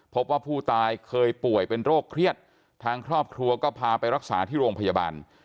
พบว่าผู้ตายเคยป่วยเป็นโรคเครียดทางครอบครัวก็พาไปรักษาที่โรงพยาบาล